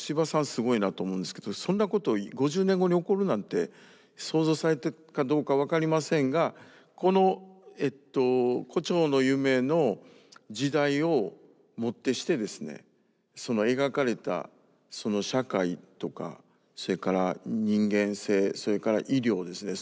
すごいなと思うんですけどそんなことを５０年後に起こるなんて想像されてたかどうか分かりませんがこの「胡蝶の夢」の時代をもってしてですねその描かれた社会とかそれから人間性それから医療ですね。